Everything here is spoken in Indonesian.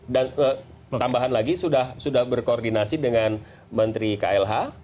dan tambahan lagi sudah berkoordinasi dengan menteri klh